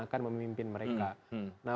akan memimpin mereka nah